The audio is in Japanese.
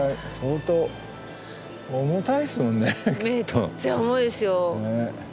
めっちゃ重いですよ。